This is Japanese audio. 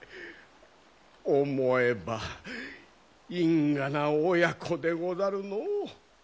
思えば因果な親子でござるのう。